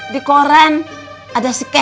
di koran ada skemet